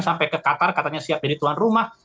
sampai ke qatar katanya siap jadi tuan rumah